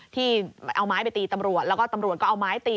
ที่เอาไม้ไปตีตำรวจแล้วก็ตำรวจก็เอาไม้ตี